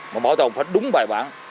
mà bảo tồn phải đúng bài bản